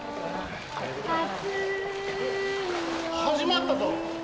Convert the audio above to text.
・始まったぞ。